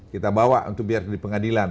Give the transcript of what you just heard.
kita bawa untuk biar di pengadilan